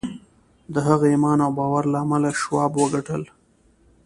د هغه ایمان او باور له امله شواب وګټل